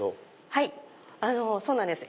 はいそうなんです。